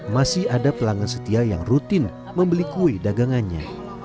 masih ada pelanggan setia yang rutin membeli kue dagangannya